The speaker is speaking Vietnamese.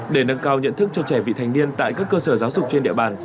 để nâng cao nhận thức cho trẻ vị thành niên tại các cơ sở giáo dục trên địa bàn